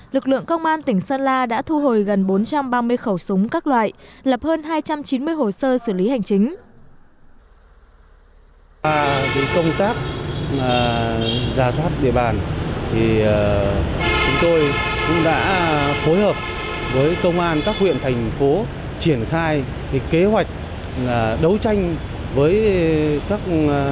lực lượng công an tỉnh sơn la đã thu hồi gần bốn trăm ba mươi khẩu súng